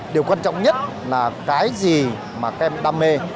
điều quan trọng nhất là cái gì mà các em đam mê